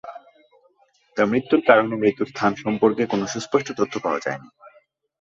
তার মৃত্যুর কারণ ও মৃত্যু স্থান সম্পর্কে কোনো সুস্পষ্ট তথ্য পাওয়া যায়নি।